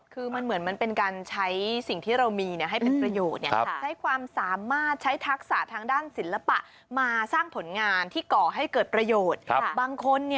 คือมันเหมือนมันเป็นการใช้สิ่งที่เรามีให้เป็นประโยชน์ใช้ความสามารถใช้ทักษะทางด้านศิลปะมาสร้างผลงานที่ก่อให้เกิดประโยชน์บางคน